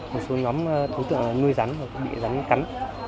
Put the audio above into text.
một số nhóm đối tượng là nuôi rắn và bị rắn cắn